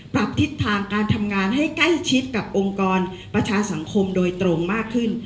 ปรับทิศทางการทำงานให้ใกล้ชิดกับองค์กรประชาสังคมโดยตรงมากขึ้น